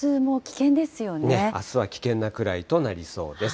あすは危険なくらいとなりそうです。